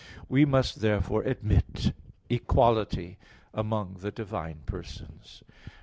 We must therefore admit equality among the divine persons.